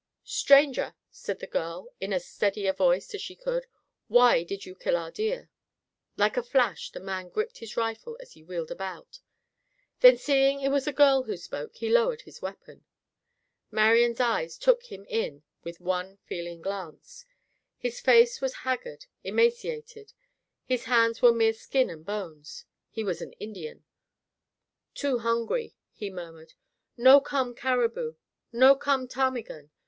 "Stranger," said the girl, in as steady a voice as she could, "why did you kill our deer?" Like a flash the man gripped his rifle as he wheeled about. Then, seeing it was a girl who spoke, he lowered his weapon. Marian's eyes took him in with one feeling glance. His face was haggard, emaciated. His hands were mere skin and bones. He was an Indian. "Too hungry," he murmured, "No come caribou. No come ptarmigan.